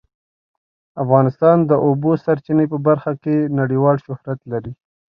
افغانستان د د اوبو سرچینې په برخه کې نړیوال شهرت لري.